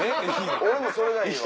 俺もそれがいいわ。